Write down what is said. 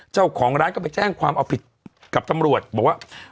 เจ้าของร้านก็ไปแจ้งความเอาผิดกับตำรวจบอกว่า